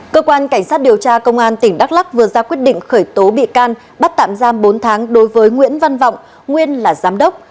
cơ quan cảnh sát điều tra công an tỉnh đắk lắc vừa ra quyết định khởi tố bị can bắt tạm giam bốn tháng đối với nguyễn văn vọng nguyên là giám đốc